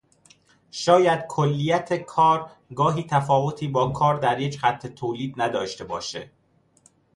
شاید کلیت کار گاهی تفاوتی با کار در یک خط تولید نداشته باشه.